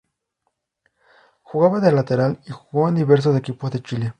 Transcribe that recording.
Jugaba de lateral y jugó en diversos equipos de Chile.